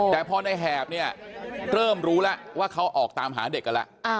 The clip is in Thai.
แต่พอในแหบเนี่ยเริ่มรู้แล้วว่าเขาออกตามหาเด็กกันแล้ว